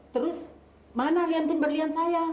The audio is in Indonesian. terus mana leontin berlian saya